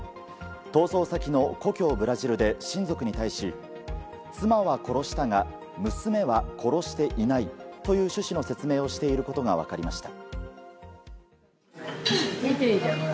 逃走先の故郷ブラジルで親族に対し、妻は殺したが娘は殺していないという趣旨の説明をしていることが分かりました。